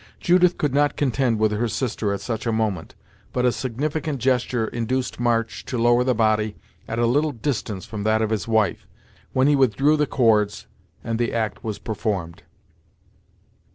Judith could not contend with her sister at such a moment, but a significant gesture induced March to lower the body at a little distance from that of his wife; when he withdrew the cords, and the act was performed.